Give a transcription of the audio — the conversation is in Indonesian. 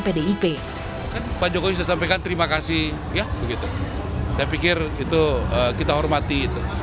pak jokowi sudah sampaikan terima kasih saya pikir kita hormati